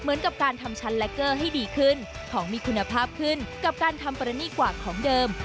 เหมือนกับการทำชั้นแลคเกอร์ให้ดีขึ้นของมีคุณภาพขึ้นกับการทำประณีกว่าของเดิม